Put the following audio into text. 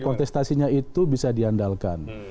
kontestasinya itu bisa diandalkan